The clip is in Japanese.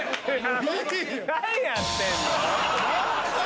何やってんの？